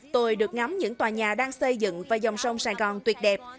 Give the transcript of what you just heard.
tôi được ngắm những tòa nhà đang xây dựng và dòng sông sài gòn tuyệt đẹp